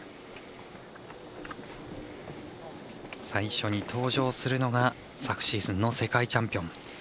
最初に登場するのが昨シーズンの世界チャンピオン。